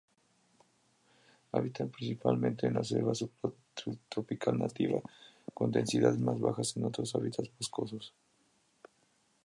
Habita principalmente la selva subtropical nativa, con densidades más bajas en otros hábitats boscosos.